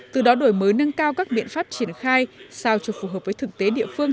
từ đó đổi mới nâng cao các biện pháp triển khai sao cho phù hợp với thực tế địa phương